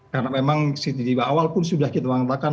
karena memang awal pun sudah kita mengatakan